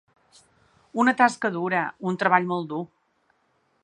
Una tasca dura, un treball molt dur.